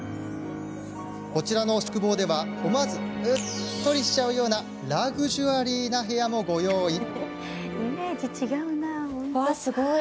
こちらの宿坊では思わずうっとりしちゃうようなラグジュアリーな部屋もご用意。